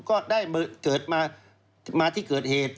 ก็ได้เกิดมาที่เกิดเหตุ